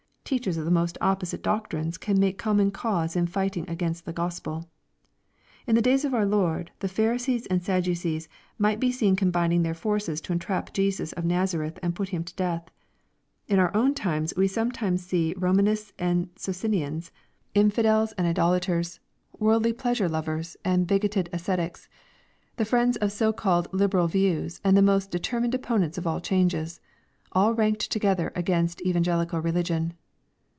Teachers of the most opposite doctrines can make common cause in fighting against the Gospel. In the days of our Lord, the Pharisees and the Sadducces might be seen combining their forces to entrap Jesus of Nazareth and put Hira to death. In our own times we Bometimes see Romanists and Socinians — infidels and 452 EXPOSITORY THOUGHTa idolaters — worldly pleasure lovers and bigoted ascetics, —the friends of so called liberal views and the most de* termined opponents of all changes — all ranked togethei against evangelical religion.